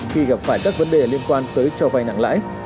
khi gặp phải các vấn đề liên quan tới cho vay nặng lãi